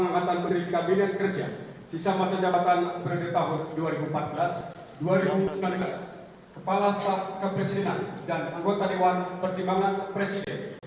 lalu kebangsaan indonesia baik